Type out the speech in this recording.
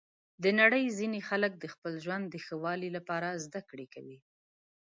د نړۍ ځینې خلک د خپل ژوند د ښه والي لپاره زده کړه کوي.